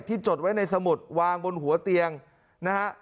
จดไว้ในสมุดวางบนหัวเตียงนะฮะ